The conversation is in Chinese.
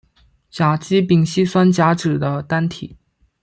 甲基丙烯酸甲酯的单体。